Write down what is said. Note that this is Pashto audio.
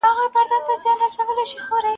ماته مه راځه واعظه چي ما نغده سودا وکړه ..